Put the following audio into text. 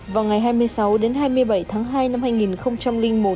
vào ngày hai mươi sáu đến hai mươi bảy tháng hai năm hai nghìn một